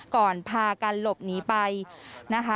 ก่อนพากันหลบหนีไปนะคะ